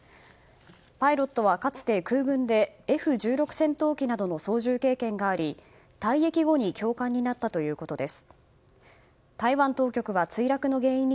パイロットはかつて空軍でＦ１６戦闘機などの操縦経験があり、退役後に教官になったということです。